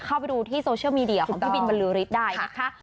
เข้าไปดูที่โซเชียลมีเดียของพี่บินบรรลือฤทธิ์ได้นะคะ